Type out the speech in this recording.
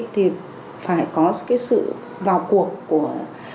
thì phải có sự vào cuộc của